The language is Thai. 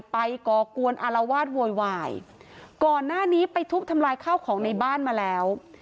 ก่อกวนอารวาสโวยวายก่อนหน้านี้ไปทุบทำลายข้าวของในบ้านมาแล้ว